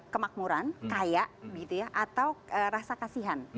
kemakmuran kaya gitu ya atau rasa kasihan